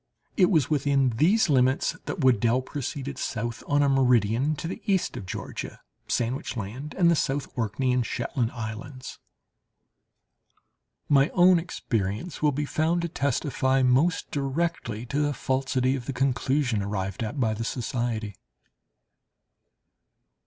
It was within these limits that Weddel proceeded south on a meridian to the east of Georgia, Sandwich Land, and the South Orkney and Shetland islands." My own experience will be found to testify most directly to the falsity of the conclusion arrived at by the society.